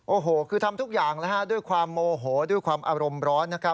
โอ้โหคือทำทุกอย่างด้วยความโมโหด้วยความอารมณ์ร้อน